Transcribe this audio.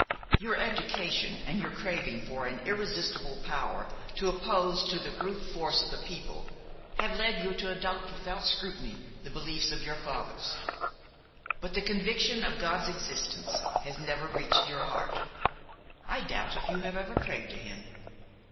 Your education and your craving for an irresistible power to oppose to the brute force of the people, have led you to adopt without scrutiny the beliefs of your fathers; but the conviction of God's existence has never reached your heart–I doubt if you have ever prayed to Him.